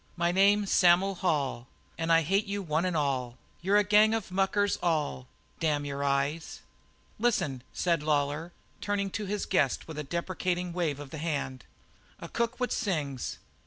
My name is Sam'l Hall, And I hate you one an' all, You're a gang of muckers all Damn your eyes!" "Listen!" said Lawlor, turning to his guest with a deprecating wave of the hand. "A cook what sings!